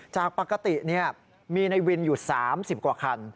จากปกติมีในวินอยู่๓๐กว่าคัน